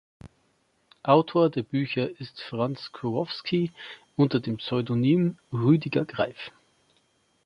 Autor der Bücher ist Franz Kurowski unter dem Pseudonym Rüdiger Greif.